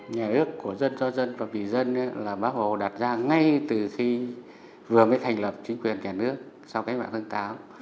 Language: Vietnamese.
nhà nước của dân cho dân và vị dân là bác hồ đặt ra ngay từ khi vừa mới thành lập chính quyền nhà nước sau cái mạng thân táo